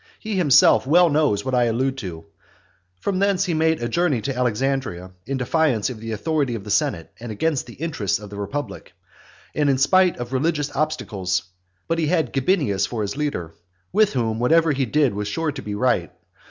He himself well knows what I allude to. From thence he made a journey to Alexandria, in defiance of the authority of the senate, and against the interests of the republic, and in spite of religious obstacles; but he had Gabinius for his leader, with whom whatever he did was sure to be right.